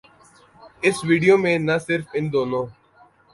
اس video میں نہ صرف ان دونوں